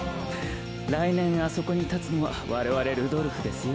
来年あそこに立つのは我々ルドルフですよ。